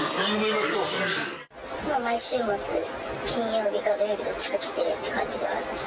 毎週末、金曜日か土曜日どっちか来てるって感じで。